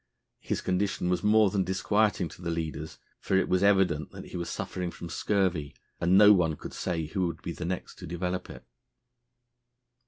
His condition was more than disquieting to the leaders, for it was evident he was suffering from scurvy, and no one could say who would be the next to develop it.